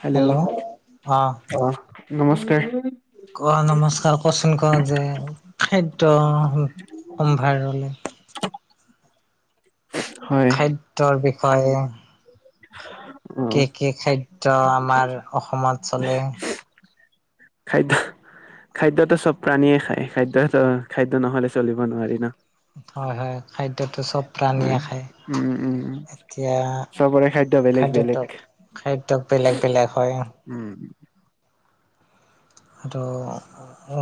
Hello, অ অহ। নমস্কাৰ। কোৱা নমস্কাৰ, কচোন ক যে, খাদ্য সম্ভাৰলে। হয়। তাৰ বিষয়ে। উম। কি কি খাদ্য আমাৰ অসমত চলে। খাদ্য। খাদ্যটো চব প্ৰাণীয়েই খায়, খাদ্যতো, খাদ্য নহ'লে চলিব নোৱাৰি ন। হয় হয়, খাদ্যতো চব প্ৰাণীয়ে উম। খায় উম উম। এতিয়া চবৰে খাদ্য বেলেগ বেলেগ খাদ্যটোক, খাদ্য বেলেগ বেলেগ হয়। উম। আৰু।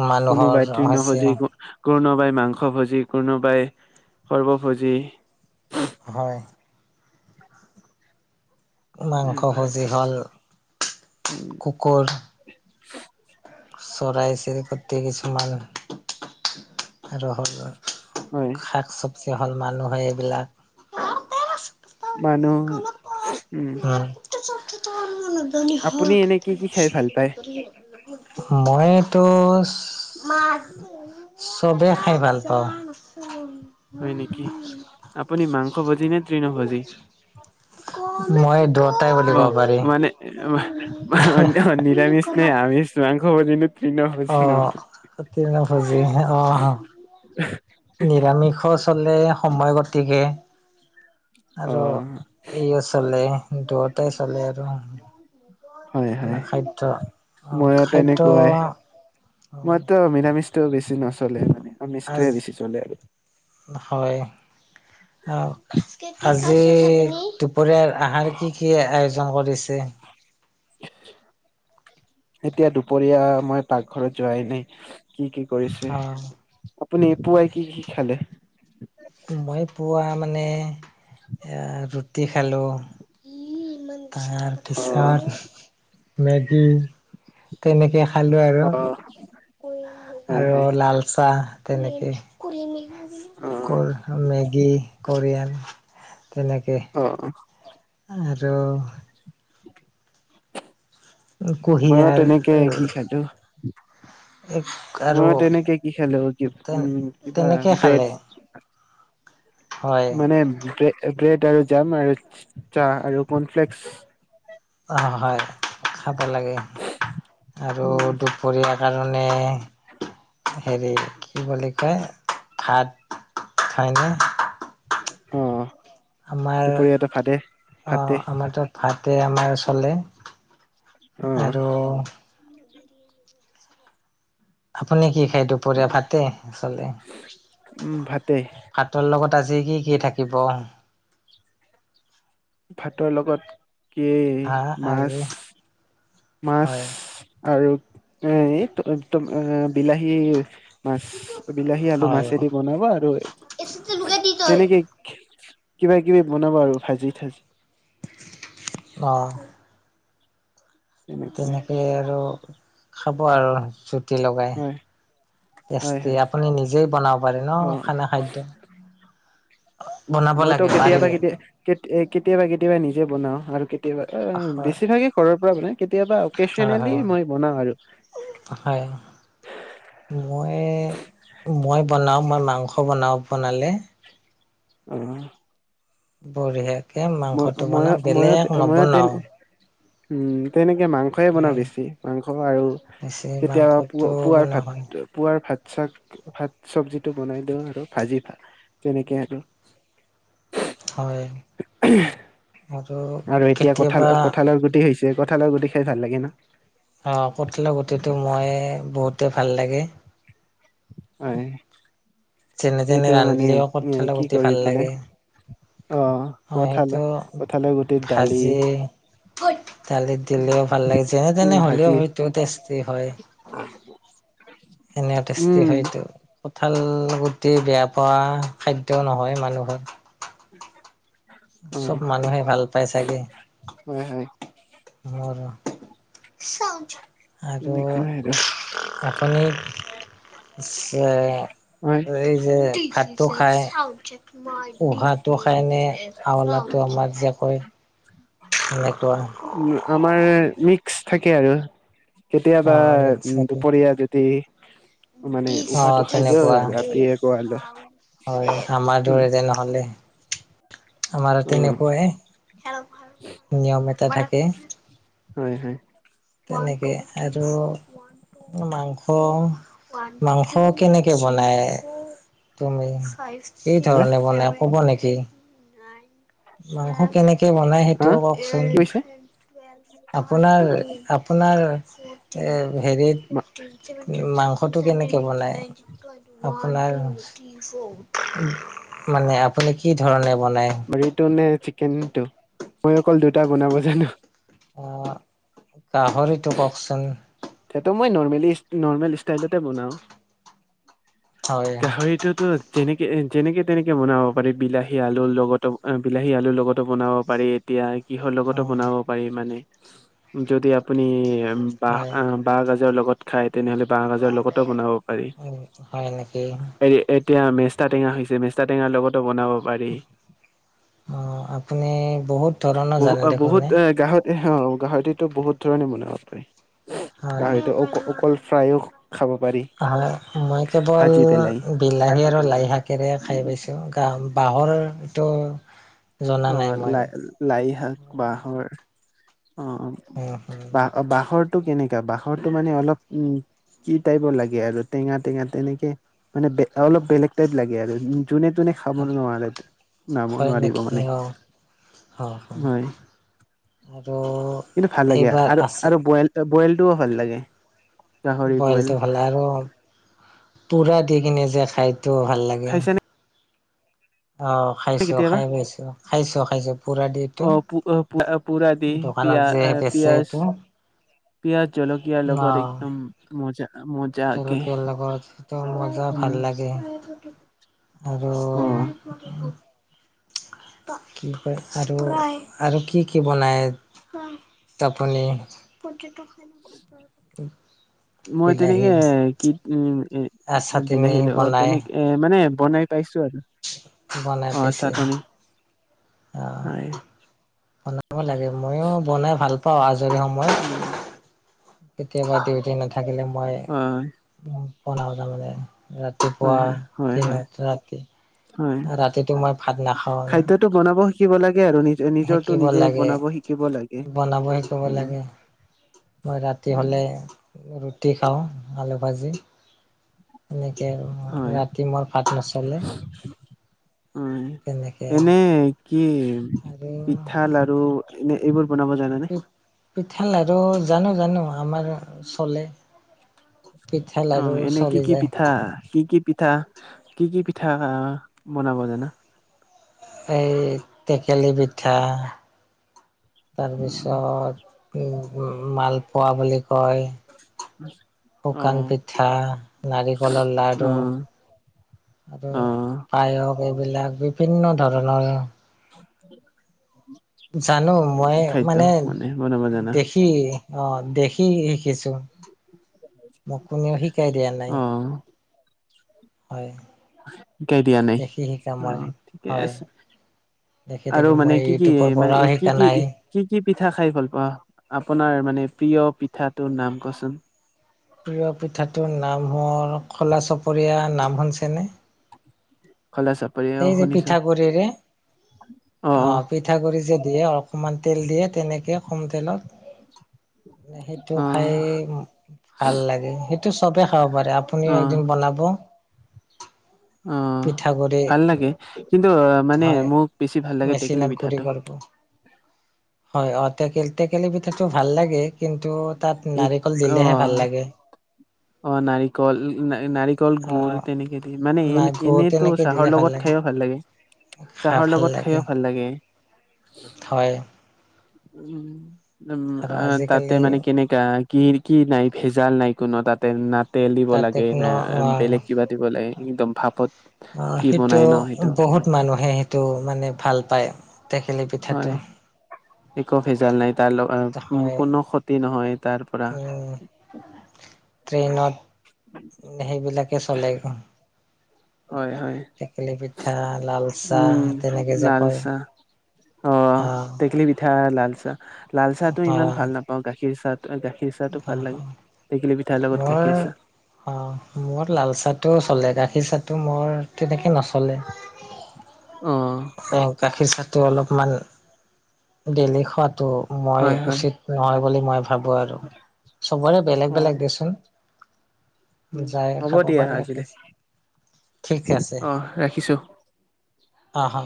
মানুহৰ কোনবাই হৈছে তৃৰ্ণভূজি। কোনোবাই মাংসভোজি, কোনোবাই সৰ্বভোজি। হয়। মাংসভোজি হ'ল। উম। কুকুৰ। চৰাই চিৰিকতি কিছুমান আৰু। [unintelligible] হয়। শাক চবজি হ'ল মানুহেই এইবিলাক। মানুহ। উম। আপুনি এনে কি কি খাই ভাল পায় [unintelligible] মইতো চবেই [unintelligible] খাই ভাল পাওঁ। [unintelligible] হয় নেকি? আপুনি মাংসভোজি নে তৃণভোজি? মই দুয়োটাই বুলি ক'ব অ', পাৰি। মানে, অ, অ, নিৰামিষ নে আমিষ? মাংসভোজি নে অ', তৃৰ্ণভোজি, অহ। [unintelligible] নিৰামিষও চলে সময় গতিকে, অ আৰু ইও চলে, দুয়োটাই চলে আৰু। হয় খানা হয়, খাদ্য অ' ময়ো খাদ্য তেনেকুৱাই, মইতো নিৰামিষ টো বেছি নচলে মানে, আজ আমিষটোহে বেছি চলে আৰু। হয়, আজি দুপ দুপৰীয়াৰ আহাৰ কি কি আয়োজন কৰিছে এতিয়া দুপৰীয়া মই পাকঘৰত যোৱাই নাই কি কি কৰিছে অ', আপুনি পুৱাই কি কি খালে মই পুৱা মানে এ ৰুটি খালো অ তাৰপিছত মেগি তেনেকে খালোঁ আৰু অ হয় আৰু হয় লাল চাহ তেনেকে অ কল মেগী কৰিয়ান তেনেকে অ অ আৰু মইও কুঁহিয়াৰ তেনেকে কি খালো আৰু মইও তেনেকে কি খালো তেন উম কিবা তেনেকে ব্ৰেড খালে হয়, মানে ব্ৰেড আৰু জাম আৰু চাহ আৰু কনফ্লেক্স। অ', হয়, খাব লাগে আৰু দুপৰীয়াৰ কাৰণে হেৰি কি বুলি কয় ভাত খায়না অ আমাৰ দুপৰীয়াটো ভাতে অ ভাতে আমাৰ তাত ভাতে আমাৰ চলে অ আৰু [unintelligible] আপুনি কি খায় দুপৰীয়া ভাতে চলে উম ভাতে ভাতৰ লগত আজি কি কি থাকিব ভাতৰ লগত কি হা মাছ আজি মাছ হয় আৰু এ তম তম বিলাহী মাছ বিলাহী আলু হয় মাছেদি বনাব আৰু তেনেকে কিবা কিবি বনাব আৰু ভাজি থাজি অ তেনেকুৱা তেনেকে আৰু খাব আৰু জুতি লগাই হয় হয় টেষ্টি হয় আপুনি নিজেই বনাব পাৰে ন অ খানা খাদ্য বনাব লাগে পাৰিলে কে কেতিয়াবা কেতিয়াবা নিজে বনাও আৰু কেতিয়াবা অ হয় বেছিভাগে ঘৰৰ পৰা বনাই কেতিয়াবা হয় অকেচনেলি হয় মই বনাওঁ আৰু হয় মই মই বনাওঁ মই মাংস বনাওঁ বনালে অ বঢ়িয়াকে মই মাংসটো মই বনাম মই বেলেগ মই নবনাও তেনে উম তেনেকে মাংস এ বনাওঁ হয় বেছি মাংস আৰু বেছি কেতিয়াবা পুত মাংসটো পুৱাৰ বনোৱা ভাত হয় পুৱাৰ ভাত চাত ভাত চবজিটো বনাই দিওঁ আৰু ভাজি ভা তেনেকে আৰু হয় আৰু এতিয়া কঠাল কেতিয়াবা কঠালৰ গুটি হৈছে কঠালৰ গুটি খাই ভাল লাগে ন অঁ কঠালৰ গুটিটো মই বহুতেই ভাল লাগে হয় যেনে তেনে এইটো মানে ৰান্ধিলেও কঠিলা কি গুটি কৰি ভাল লাগে পেলাই অ হয় কঠাল সেইটো কঠালৰ গুটিত দালি ভাজি দালিত দিলেও ভাল লাগে যেনে তেনে উম হ'লেও ভাজি হয়টো টেষ্টি হয় [unintelligible] ধুনীয়া টেষ্টি উম হয় এইটো কঠাল গুটি বেয়া পোৱা খাদ্য নহয় মানুহৰ [unintelligible] অ চব মানুহে ভাল পাই চাগে হয় হয় মোৰো। আৰু তেনেকুৱা আৰু আপুনি এ হয় এই যে ভাতটো খাই পোহাতটো খাই নে হাৱলাটো আমাৰ যে কয়। সনেকুৱা। উ, আমাৰ মিক্স থাকে আৰু অ কেতিয়াবা মিক্স দুপৰীয়া ৰাতি মানে নেকি অ উহাটো খাই দিয় তেনেকুৱা ৰাতিয়ে ক হয়, আমাৰ দৰে যে নহ'লে। আমাৰ অ তেনেকুৱাই নিয়ম এটা থাকে। হয়, হয়। তেনেকে আৰু মাংস মাংস কেনেকে বনাই? তুমি কি হা ধৰণে বনাই ক'ব নেকি? মাংস কেনেকে বনাই হা সেইটোও কওকচোন, কি কৈছে আপোনাৰ আপোনাৰ এ হেৰিত মাংসটো কেনেকে বনায়? [unintelligible] আপোনাৰ মানে আপুনি কি ধৰণে বনাই? [unintelligible] নে চিকেন টো মই অকল দুটা বনাব জানো। অ', গাহৰিটো কওকচোন? সেটো মই নৰ্মেলি নৰ্মেল ষ্টাইলতে বনাওঁ। হয় গাহৰিটোতো যেনেকৈ যেনেকৈ তেনেকৈ বনাব পাৰি বিলাহী আলুৰ লগতো বিলাহী আলুৰ লগতো বনাব পাৰি, এতিয়া কিহৰ লগতো উম বনাব পাৰি মানে যদি আপুনি হয়। বাঁহ বাঁহ গাজৰ লগত খায় তেনেহ'লে বাঁহ গাজৰ লগতো বনাব পাৰি। উম হয়, নেকি? এ এতিয়া মেষ্টা টেঙা হৈছে মেষ্টা টেঙাৰ লগতো বনাব পাৰি। অ', আপুনি বহুত ধৰণৰ জানে দেখোন এ। এহ গাহৰিতোতো বহুত ধৰণে বনাব পাৰি। হয়। গাহৰিতো অ-অকল ফ্ৰাইও খাব পাৰি। হয়, মই কেৱল ভাজি পেলাই। বিলাহী আৰু লাইশাকেৰে খাই উম। পাইছোঁ, গ বাঁহৰ তো অ', লাই-লাই শাক বাঁহৰ অ'। উম, হম, বাাঁহ-বাঁহৰটো কেনেকা বাঁহৰটো মানে অলপ উম কি টাইপৰ লাগে আৰু টেঙা টেঙা তেনেকে, মানে বে অলপ বেলেগ টাইপ লাগে আৰু যোনে তোনে খাব নোৱাৰে নাম হয় নেকি নোৱাৰিব মানে। অ', হয়, আৰু কিন্তু ভাল লাগে, এইবাৰ আৰু আছে আৰু বইল ত বইলটোও ভাল লাগে। গাহৰি বইল বইলটো ভাল আৰু পোৰা দি কিনে যে খাই এটো ভাল লাগে। খাইছানে অ', খাইছোঁ কেতিয়াবা খাই পাইছোঁ খাইছোঁ খাইছোঁ পুৰা দিটো। অ পু পুৰা দি বেচে পিয়-পিয়াজ। এইটো পিয়াজ জলকীয়াৰ লগত অ'। একদম মজা-মজ [unintelligible] লগত সেইটো মজা ভাল উম লাগে। আৰু অ [unintelligible] কি কয় আৰু আৰু কি কি বনায়। তাৰপুনি। [inaudible] মই বিলাহী তেনেকে কি উম এ আ চাটনি বিলাহী লৈ অ বনাই তেনেকে। এ মানে বনাই পাইছো আৰু বনাই পছে অ। হয় বনাব লাগে ময়ও বনাই ভাল পাও আজৰি সময়ত। উম,। কেতিয়াবা ডিউটি নাথাকিলে মই হয় বনাও তাৰমানে। হয় ৰাতিপুৱা হয় হয় হয় দিনত ৰাতি হয় ৰাতিটো মই ভাত নাখাও না। খাদ্যটো বনাব শিকিব লাগে আৰু নিজ নিজটো শিকিব নিজে লাগে বনাব শিকিব লাগে বনাব শিকিব উম,। লাগে মই ৰাতি হ'লে ৰুটি খাওঁ আলু ভাজি। এনেকে আৰু হয় ৰাতি মোৰ ভাত নচলে। উম, তেনেকে আৰু এনেই কি আৰু পিঠা লাৰু এনে এইবোৰ বনাব জানে পিঠা লাৰু জানো জানো আমাৰ চলে। পিঠা লাৰু অ', এনে কি চলি কি যায় পিঠা কি কি পিঠা কি কি পিঠা বনাব জানা? এই টেকেলি পিঠা। তাৰপিছত মালপোৱা বুলি কয়। [inaudible] শুকান পিঠা নাৰিকলৰ অ লাৰু আৰু অ পায়স এইবিলাক বিভিন্ন ধৰণৰ [inaudible] জানো মই খাদ্য মানে বনাব জানা দেখি শি অ', দেখি শিকিছো মোক কোনেও শিকাই দিয়া নাই। অ হয়। শিকাই দিয়া নাই দেখি শিকা মই অ', ঠিকে হয় আছে। দেখি আৰু দেখি মানে মই কি কি ইউটিউবৰ মানে পৰাও এই কি শিকা কি নাই। কি কি পিঠা খাই ভাল পা আপোনাৰ মানে প্ৰিয় পিঠাটোৰ নাম কচোন। প্ৰিয় পিঠাটোৰ নাম হ'ল খোলা চপৰীয়া নাম শনছেনে? খলাচ এই যে পিঠা গুৰিৰে অ' পিত ঠাগুড়ি যে দিয়ে অকণমান তেল দিয়ে তেনেকৈ কম তেলত সেইটো অ খাই ভাল লাগে সেইটো চবে খাব পাৰে আ আপুনিও অ একদিন বনাব। অ পিঠা গুৰি। ভাল লাগে কিন্তু মানে মোক বেছি ভাল লাগে টেকেলি মেচিনত গুৰি পিঠাটো। কৰিব। হয় অ', টেক টেকেলি পিঠাটো ভাল লাগে কিন্তু তাত এক নাৰিকল অ দিলেহে ভাল লাগে। অ', নাৰিকল নাৰি কল অ গুৰ তেনেকে দি মানে নাই এনে গুৰ এনেইতো তেনেকে দিলে চাহৰ ভাল লগত খাইও ভাল লাগে। খাই চাহৰ ভাল লগত লাগে। খাইও ভাল লাগে। হয়। উ, উম, আৰু আ তাতে আজিকালি মানে কেনেকে তাঁ কি কি নাই ভেজাল নাই কোনো তাতে, না তেল দিব তাতে লাগে, না কোনো অ বেলেগ কিবা দিব লাগে একদম ভাপত আঁ কি সেইটো বনাই ন সেইটো বহুত মানুহে সেইটো মানে ভাল পায়। টেকেলি পিঠাটো হয় একো ভেজাল নাই, তাৰ লগ হয় কোনো ক্ষতি নহয় তাৰপৰা। উম ট্ৰেইনত সেইবিলাকে চ'লে। হয় হয়। টেকেলি পিঠা লাল চাহ উম, তেনেকে যে লাল কয়। চাহ অ', টেকেলী পিঠা, লাল চাহ, লাল চাহ টো অ ইমান ভাল নাপাওঁ গাখীৰ চাহ খীৰ চাহটো অ ভাল লাগে, তেকিলি পিঠাৰ লগত গাখীৰ চাহ। অঁ, মোৰ লাল চাহটো চ'লে গাখীৰ চাহটো মোৰ তেনেকে নচলে। ওম গাখীৰ চাহটো অলপমান দেলি খোৱাত টো মই হয় হয় উচিত নহয় বুলি মই ভাবো আৰু চবৰে বেলেগ হয়। বেলেগ দেচোন উম, যায় হ'ব খাব দিয়া পাৰে [unintelligible] আজিলে ঠিক আছে। অ' ৰাখিছোঁ। হা হা